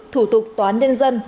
thủ tục toán nhân dân